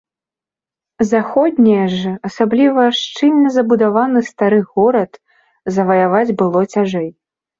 Заходнія ж, асабліва шчыльна забудаваны стары горад, заваяваць было цяжэй.